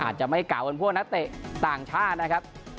อาจจะไม่เก่าเหมือนพวกนักเตะต่างชาตินะครับ